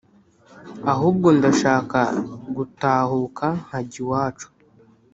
ahubwo ndashaka gutahuka nkajywa iwacu"